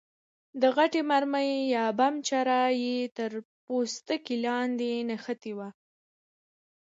د غټې مرمۍ یا بم چره یې تر پوستکي لاندې نښتې وه.